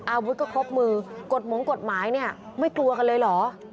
อาวุธก็ครบมือกฎหมงกฎหมายเนี่ยไม่กลัวกันเลยเหรอ